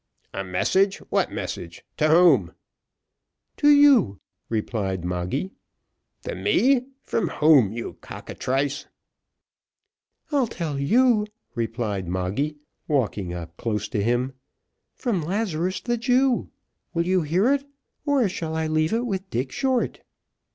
"A message! what message to whom?" "To you," replied Moggy. "To me from whom, you cockatrice?" "I'll tell you," replied Moggy, walking close up to him; "from Lazarus the Jew. Will you hear it, or shall I leave it with Dick Short?"